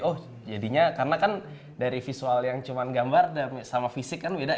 oh jadinya karena kan dari visual yang cuma gambar sama fisik kan beda